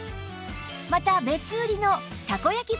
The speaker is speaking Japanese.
また別売りのたこ焼き